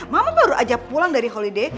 mama baru aja pulang dari holiday